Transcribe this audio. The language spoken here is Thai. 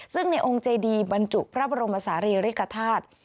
ซึ่งในองค์เจดีบรรจุพระบรมศาลีริกฐาตุ